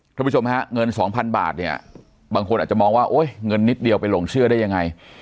คุณผู้ชมฮะเงินสองพันบาทเนี่ยบางคนอาจจะมองว่าโอ๊ยเงินนิดเดียวไปหลงเชื่อได้ยังไง